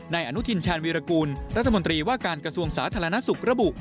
อนุทินชาญวีรกูลรัฐมนตรีว่าการกระทรวงสาธารณสุขระบุ